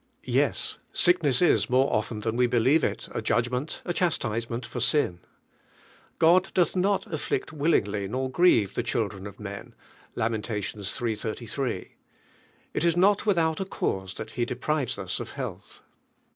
Yes sickness is more often than we he lieve it, u judgment, a chastisement for sin. Bod "doth not afflict willingly nor Brieve Hie children of men" (Lam. iii. 33). It is not without a cause that Lie de prives us of health.